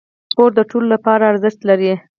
کور د ټولو لپاره ارزښت لري.